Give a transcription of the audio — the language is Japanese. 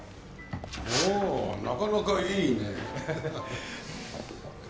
おおなかなかいいね。